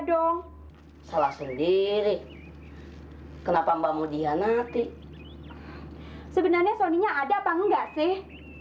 dong salah sendiri kenapa mbak mau dihianati sebenarnya sony nya ada apa enggak sih